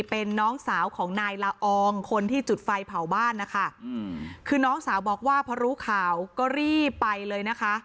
เป็นน้องสาวของนายละอองคนที่จุดไฟเผาบ้านนะคะคือน้องสาวบอกว่าพอรู้ข่าวก็รีบไปเลยนะคะ